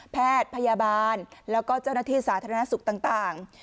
แพทย์พยาบาลแล้วก็เจ้าหน้าที่สาธารณสุขต่าง